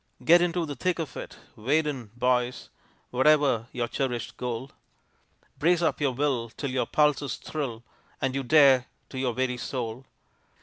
Get into the thick of it wade in, boys! Whatever your cherished goal; Brace up your will till your pulses thrill, And you dare to your very soul!